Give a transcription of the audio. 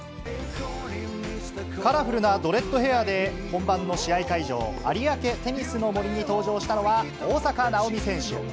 カラフルなドレッドヘアで本番の試合会場、有明テニスの森に登場したのは、大坂なおみ選手。